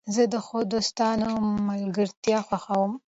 زه د ښو دوستانو ملګرتیا خوښوم.